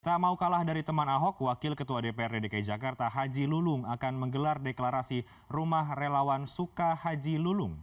tak mau kalah dari teman ahok wakil ketua dprd dki jakarta haji lulung akan menggelar deklarasi rumah relawan suka haji lulung